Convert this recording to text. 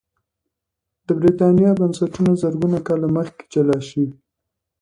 د برېټانیا بنسټونه زرګونه کاله مخکې جلا شوي